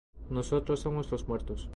Nosotros somos los muertos.